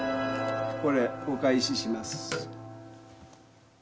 これお返しします。